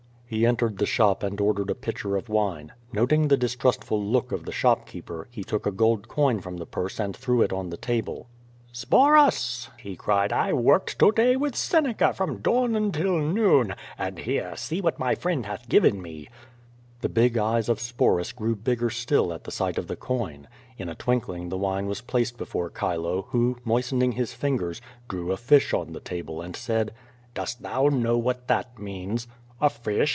^' He entered the shop and ordered a pitcher of wine. Not ing the distrustful look of the shopkeeper, he took a gold coin from the purse and threw it on the table. Sporus,*' he cried, "I worked to day with Seneca from dawn until noon, and here, see what my friend hath given mer 114 ^^^ VADI8, The big eyes of Sporus grew bigger still at sight of the coin. In a twinkling the wine was placed before Chilo, who, moistening his fingers, drew a fish on the table and said: "Dost know what that means?" "A fish?